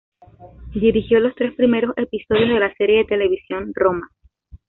Dirigió los tres primeros episodios de la serie de televisión Roma.